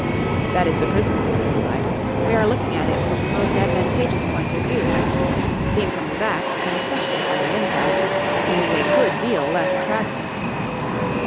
"That is the prison," I replied. "We are looking at it from the most advantageous point of view; seen from the back, and especially from the inside, it is a good deal less attractive."